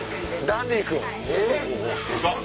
ダンディ君！